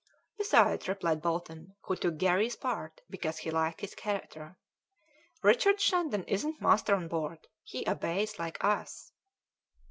"Besides," replied Bolton, who took Garry's part because he liked his character, "Richard Shandon isn't master on board; he obeys, like us."